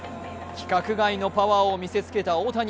規格外のパワーを見せつけた大谷。